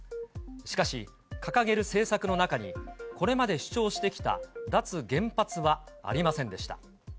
しかし掲げる政策の中に、これまで主張してきた脱原発はありませんでした。